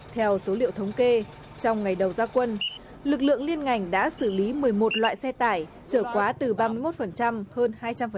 theo số liệu thống kê trong ngày đầu gia quân lực lượng liên ngành đã xử lý một mươi một loại xe tải trở quá từ ba mươi một hơn hai trăm linh